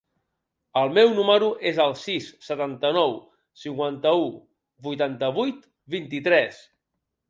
El meu número es el sis, setanta-nou, cinquanta-u, vuitanta-vuit, vint-i-tres.